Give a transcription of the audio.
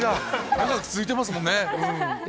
長く続いてますもんね。